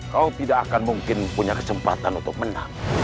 kau tidak akan mungkin punya kesempatan untuk menang